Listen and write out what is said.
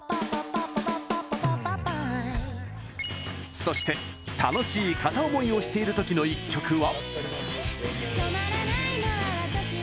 そして「楽しい片思い」をしているときの一曲は。